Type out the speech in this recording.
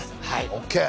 ＯＫ。